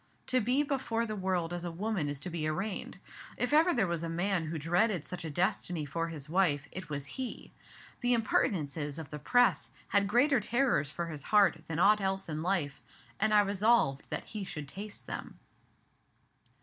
To be before the world as a woman is to be arraigned. If ever there was a man who dreaded such a destiny for his wife, it was he. The impertinences of the Press had greater terrors for his heart than aught else in life, and I resolved that he should taste them."